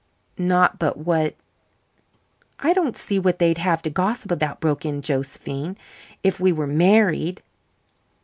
"Not but what " "I don't see what they'd have to gossip about," broke in Josephine, "if we were married."